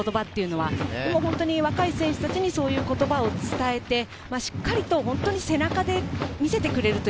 本当に若い選手たちにそういう言葉を伝えて、しっかりと背中で見せてくれる。